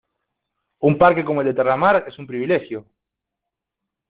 Un parque como el de Terramar es un privilegio.